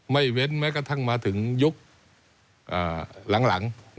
เว้นแม้กระทั่งมาถึงยุคหลัง